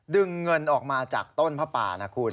ดึงเงินออกมาจากต้นผ้าป่านะคุณ